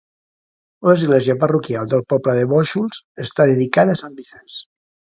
L'església parroquial del poble de Bóixols està dedicada a sant Vicenç.